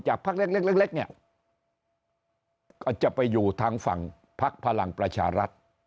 พักเล็กเนี่ยก็จะไปอยู่ทางฝั่งพักพลังประชารัฐ